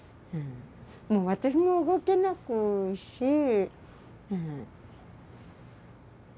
もう私も動けないし。